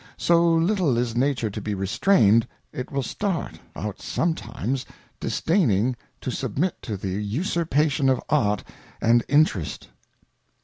So little is Nature to be restrained ; it will start out sometimes, disdaining to submit to the Usurpation of Art and Interest.